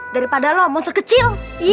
daripada lo monster kecil